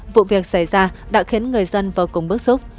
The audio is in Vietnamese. vụ việc xảy ra đã khiến người dân vô cùng bức xúc